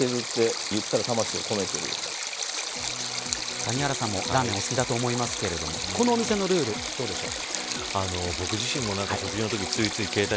谷原さんもラーメンお好きだと思いますけどこのお店のルールどうでしょう。